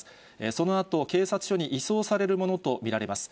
そのあと、警察署に移送されるものと見られます。